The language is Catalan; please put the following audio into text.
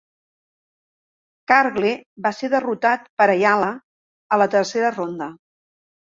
Cargle va ser derrotat per Ayala a la tercera ronda.